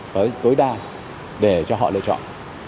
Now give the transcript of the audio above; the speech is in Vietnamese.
với tối đa để cho họ lựa chọn